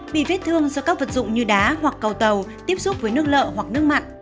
bị vết thương do các vật dụng như đá hoặc cầu tàu tiếp xúc với nước lợ hoặc nước mặn